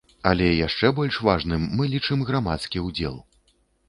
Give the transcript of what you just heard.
Але яшчэ больш важным мы лічым грамадскі ўдзел.